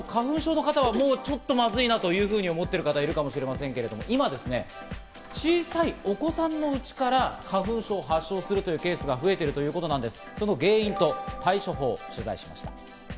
続いては花粉症の方、ちょっとまずいなというふうに思ってる方いるかもしれませんけれど、今ですね、小さいお子さんのうちから花粉症を発症するというケースが増えているということなんです。